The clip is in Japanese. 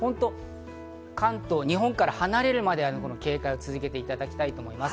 関東、日本から離れるまでは警戒を続けていただきたいと思います。